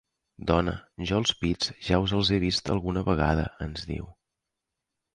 Dona, jo els pits ja us els he vist alguna vegada –ens diu.